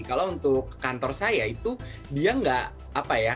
kalau untuk kantor saya itu dia nggak apa ya